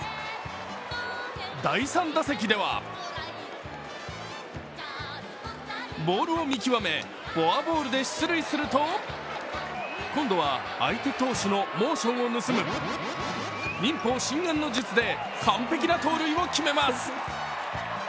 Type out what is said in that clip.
第３打席ではボールを見極めフォアボールで出塁すると今度は相手投手のモーションを盗む忍法・心眼の術で完璧な盗塁を決めます。